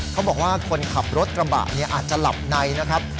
เขาบอกว่าคนขับรถกระบะเนี่ยอาจจะหลับในนะครับ